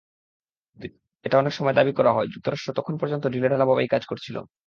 এটা অনেক সময় দাবি করা হয়, যুক্তরাষ্ট্র তখন পর্যন্ত ঢিলেঢালাভাবেই কাজ করছিল।